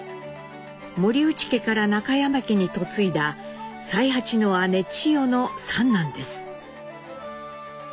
森内家から中山家に嫁いだ才八の姉チヨの三男です。